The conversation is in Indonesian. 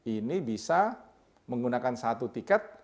ini bisa menggunakan satu tiket